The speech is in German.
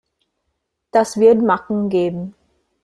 Das wird Macken geben.